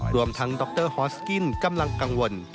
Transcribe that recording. รวมทั้งดรฮอสกิ้นกำลังกังวล